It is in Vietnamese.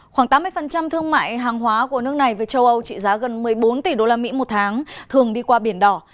khoảng tám mươi thương mại hàng hóa của nước này về châu âu trị giá gần một mươi bốn tỷ đô la mỹ một tháng thường đi qua biển đỏ